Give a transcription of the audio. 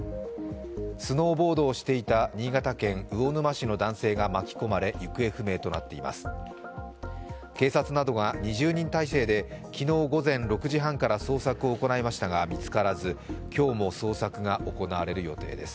スノーボードをしていた新潟県魚沼市の男性が巻き込まれ行方不明となっています。